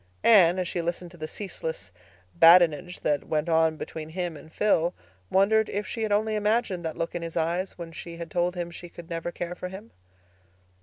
Anne, as she listened to the ceaseless badinage that went on between him and Phil, wondered if she had only imagined that look in his eyes when she had told him she could never care for him.